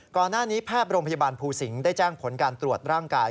ก่อนหน้านี้แพทย์โรงพยาบาลภูสิงศ์ได้แจ้งผลการตรวจร่างกาย